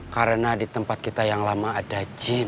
karena di tempat kita yang lama ada jin